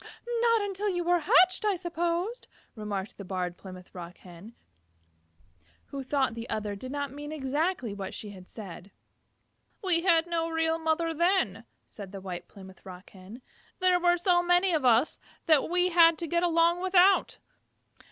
"Not until after you were hatched I suppose," remarked the Barred Plymouth Rock Hen, who thought the other did not mean exactly what she had said. "We had no real mother then," said the White Plymouth Rock Hen. "There were so many of us that we had to get along without.